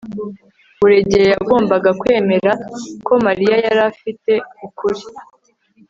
buregeya yagombaga kwemera ko mariya yari afite ukuri